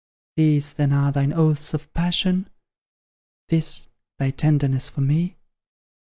These, then, are thine oaths of passion? This, thy tenderness for me?